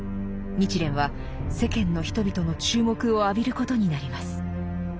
日蓮は世間の人々の注目を浴びることになります。